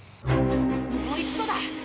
もう一度だ。